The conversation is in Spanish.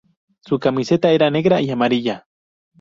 Su camiseta era negra y amarilla.